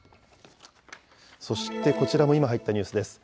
そしてこちらも今入ったニュースです。